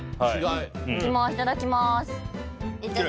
いただきます